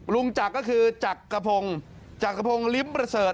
ลุงจักรก็คือจักกะพงจักกะพงลิ้มเบอร์เซิด